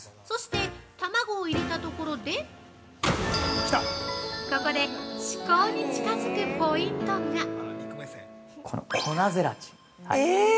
そして、卵を入れたところでここで、至高に近づくポイントが！